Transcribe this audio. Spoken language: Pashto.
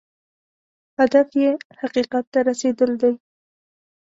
هدف یې حقیقت ته رسېدل دی.